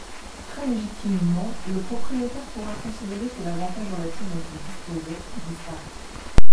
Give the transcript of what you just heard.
Très légitimement, le propriétaire pourra considérer que l’avantage relatif dont il disposait disparaît.